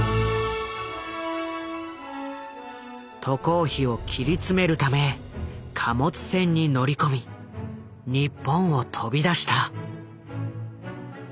渡航費を切り詰めるため貨物船に乗り込み日本を飛び出した。